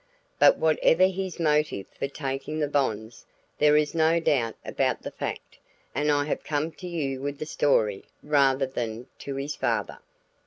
But whatever his motive for taking the bonds, there is no doubt about the fact, and I have come to you with the story rather than to his father."